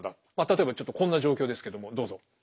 例えばちょっとこんな状況ですけどもどうぞ。